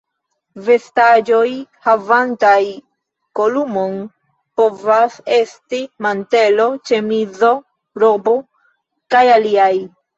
Vestaĵoj havantaj kolumon povas esti: mantelo, ĉemizo, robo kaj aliaj.